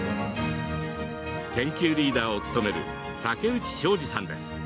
研究リーダーを務める竹内昌治さんです。